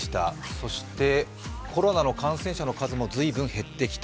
そしてコロナの感染者の数も随分減ってきた。